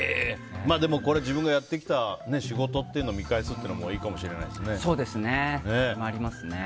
でも、自分がやってきた仕事を見返すというのもいいかもしれないですね。